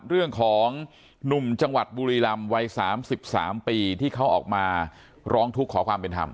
เรื่องของหนุ่มจังหวัดบุรีรำวัย๓๓ปีที่เขาออกมาร้องทุกข์ขอความเป็นธรรม